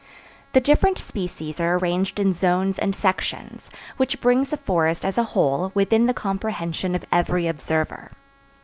The different species are arranged in zones and sections, which brings the forest as a whole within the comprehension of every observer.